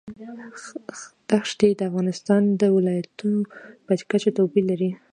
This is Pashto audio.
ښتې د افغانستان د ولایاتو په کچه توپیر لري.